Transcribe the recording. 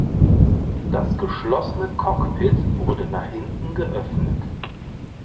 Das geschlossene Cockpit wurde nach hinten geöffnet.